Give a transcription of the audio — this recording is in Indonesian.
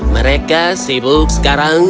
mereka sibuk sekarang